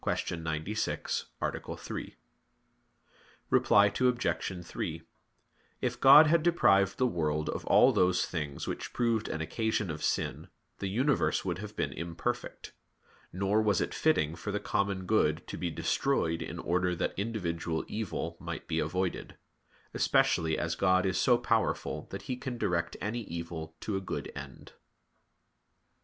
96, A. 3). Reply Obj. 3: If God had deprived the world of all those things which proved an occasion of sin, the universe would have been imperfect. Nor was it fitting for the common good to be destroyed in order that individual evil might be avoided; especially as God is so powerful that He can direct any evil to a good end.